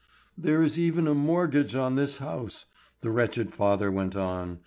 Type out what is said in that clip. "There is even a mortgage on this house," the wretched father went on.